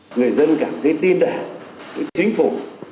người dân cảm thấy tin đảng chính phủ